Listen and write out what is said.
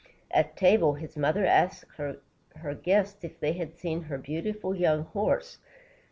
At table, his mother asked her guests if they had seen her beautiful young horse.